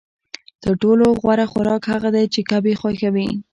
تر ټولو غوره خوراک هغه دی چې کب یې خوښوي